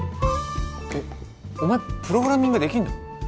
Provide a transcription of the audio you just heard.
えっお前プログラミングできるの？